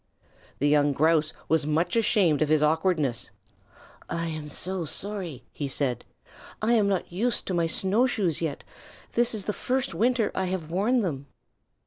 The young Grouse was much ashamed of his awkwardness. "I am so sorry," he said. "I'm not used to my snow shoes yet. This is the first winter I have worn them."